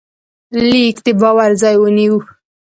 لیک د باور ځای ونیو.